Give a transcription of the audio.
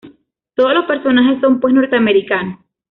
Todos los personajes son, pues, norteamericanos.